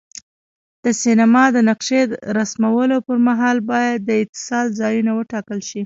د سیمانو د نقشې رسمولو پر مهال باید د اتصال ځایونه وټاکل شي.